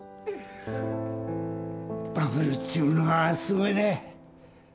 バブルっちゅうのはすごいね。